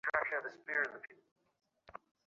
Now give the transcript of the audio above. তিনি আমার বিয়ে বিলম্বিত করেছে।